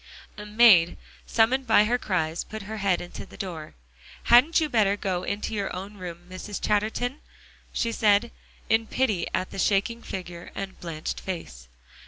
A maid, summoned by her cries, put her head in the door. "Hadn't you better go into your own room, Mrs. Chatterton?" she said, in pity at the shaking figure and blanched face.